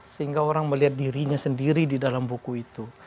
sehingga orang melihat dirinya sendiri di dalam buku itu